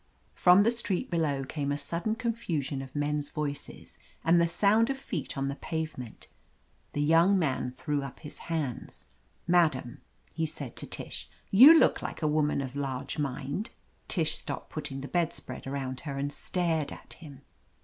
From the street below came a sudden con fusion of men's voices and the sound of feet on the pavement. The young man threw up his hands. "Madam," he said to Tish, "you look like a woman of large mind." Tish stopped putting the bedspread around her and stared at him.